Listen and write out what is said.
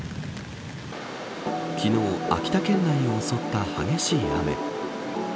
昨日、秋田県内を襲った激しい雨。